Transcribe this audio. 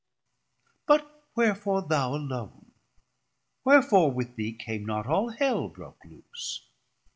But wherefore thou alone? wherefore with thee Came not all Hell broke loose?